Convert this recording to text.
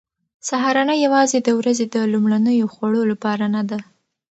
سهارنۍ یوازې د ورځې د لومړنیو خوړو لپاره نه ده.